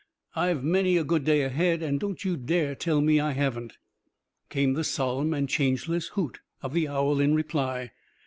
I've many a good day ahead and don't you dare tell me I haven't." Came the solemn and changeless hoot of the owl in reply.